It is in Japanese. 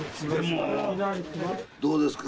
どうですか？